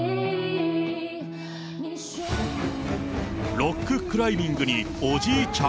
ロッククライミングにおじいちゃん？